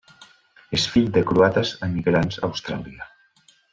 És fill de croates emigrants a Austràlia.